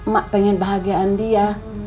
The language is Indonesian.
mak pengen bahagiaan dia